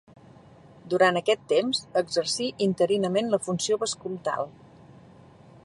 Durant aquest temps, exercí interinament la funció vescomtal.